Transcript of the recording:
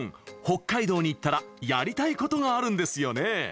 北海道に行ったらやりたいことがあるんですよね？